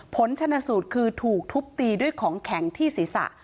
ผลชนะสูตรคือถูกทุบตีด้วยของแข็งที่ศีรษะ